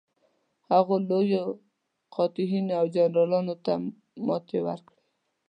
هغوی لویو فاتحینو او جنرالانو ته ماتې ورکړې.